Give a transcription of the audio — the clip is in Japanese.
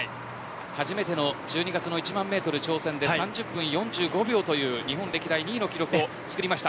初めての１２月の１万メートル挑戦で３０分４５秒という日本歴代２位の記録を作りました。